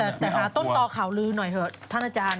แต่หาต้นต่อข่าวลือหน่อยเถอะท่านอาจารย์